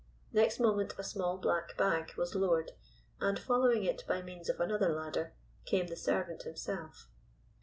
Next moment a small black bag was lowered, and following it by means of another ladder, came the servant himself.